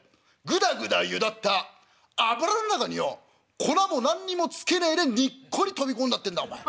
ぐだぐだゆだった油ん中によ粉も何にもつけねえでにっこり飛び込んだってんだお前。